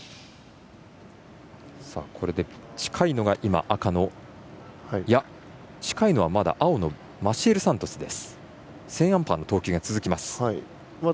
これで近いのはまだ青のマシエル・サントスです。